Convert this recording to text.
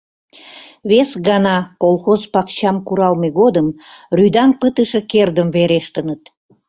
Вес гана, колхоз пакчам куралме годым, рӱдаҥ пытыше кердым верештыныт.